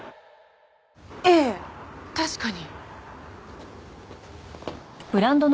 ええ確かに。